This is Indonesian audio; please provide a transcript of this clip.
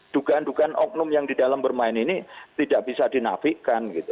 dugaan dugaan oknum yang di dalam bermain ini tidak bisa dinafikan gitu